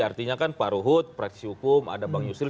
artinya kan pak rohut praktisi hukum ada bang yusril